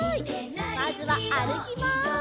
まずはあるきます。